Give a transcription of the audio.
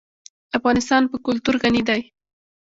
افغانستان په کلتور غني دی.